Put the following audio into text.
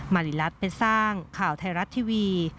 ริรัติเป็นสร้างข่าวไทยรัฐทีวี